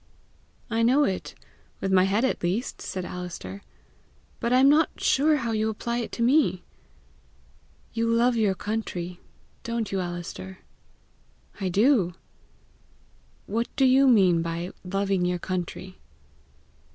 "I know it with my head at least," said Alister; "but I am not sure how you apply it to me." "You love your country don't you, Alister?" "I do." "What do you mean by LOVING YOUR COUNTRY?"